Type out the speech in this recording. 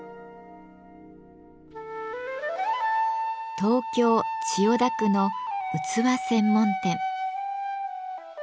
東京・千代田区の器専門店。